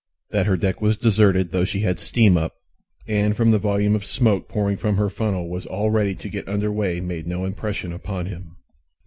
That her deck was deserted, though she had steam up, and from the volume of smoke pouring from her funnel was all ready to get under way made no impression upon him.